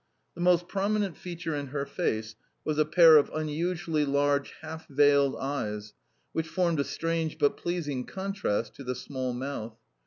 The most prominent feature in her face was a pair of unusually large half veiled eyes, which formed a strange, but pleasing, contrast to the small mouth.